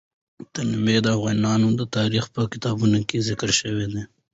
تنوع د افغان تاریخ په کتابونو کې ذکر شوی دي.